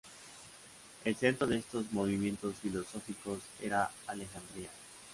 El centro de estos movimientos filosóficos era Alejandría.